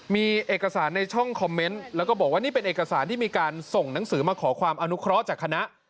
มีเอกสารในช่องคอมเมนต์แล้วก็บอกว่านี่เป็นเอกสารที่มีการส่งหนังสือมาขอความอนุเคราะห์จากคณะ